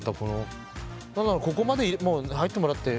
何ならここまで入ってもらって。